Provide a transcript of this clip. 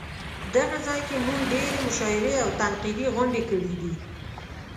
دغه ځای کې مونږ ډېرې مشاعرې او تنقیدي غونډې کړې دي.